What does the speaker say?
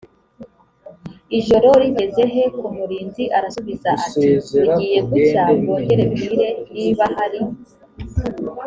ijoro rigeze he k umurinzi arasubiza ati bugiye gucya bwongere bwire niba hari